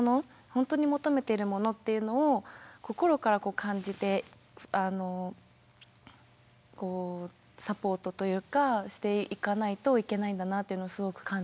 本当に求めているものっていうのを心からこう感じてサポートというかしていかないといけないんだなというのをすごく感じました。